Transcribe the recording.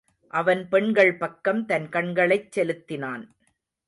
அவன் பெண்கள் பக்கம் தன் கண்களைச் செலுத்தினான்.